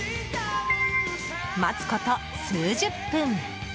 待つこと、数十分。